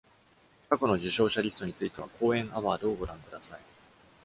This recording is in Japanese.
過去の受賞者リストについては、コーエンアワードをご覧ください。